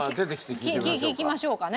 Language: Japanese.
聞きましょうかね。